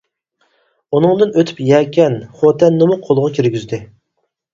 ئۇنىڭدىن ئۆتۈپ يەكەن، خوتەننىمۇ قولغا كىرگۈزدى.